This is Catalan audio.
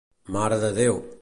Mare de Déu.